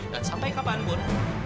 dan sampai kapanpun